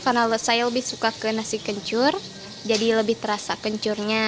karena saya lebih suka ke nasi kencur jadi lebih terasa kencurnya